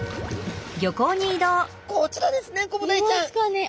こちらですね